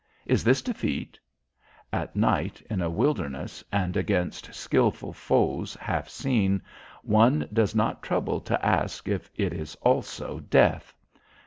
"Is this defeat?" At night in a wilderness and against skilful foes half seen, one does not trouble to ask if it is also Death.